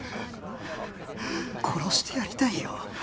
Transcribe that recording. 殺してやりたいよ